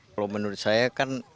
kalau menurut saya kan